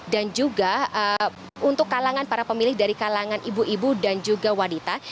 dan juga untuk kalangan para pemilih dari kalangan ibu ibu dan juga wanita